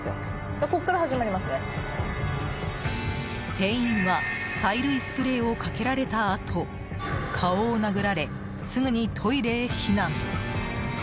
店員は催涙スプレーをかけられたあと顔を殴られすぐにトイレへ避難。